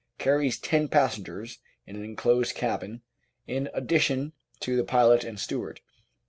carries ten passengers in an enclosed cabin in addition to the pilot and steward.